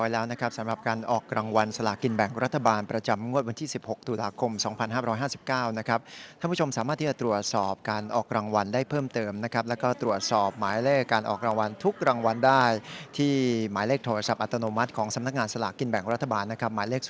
เลขที่ถูกรางวัลได้แก่หมายเลข๕